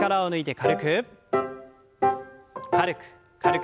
軽く軽く。